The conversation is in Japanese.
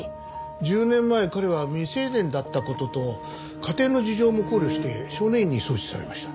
１０年前彼は未成年だった事と家庭の事情も考慮して少年院に送致されました。